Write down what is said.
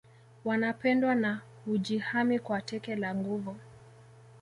Wanapendwa na hujihami kwa teke la nguvu